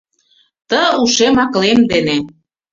Ты ушем-акылем дене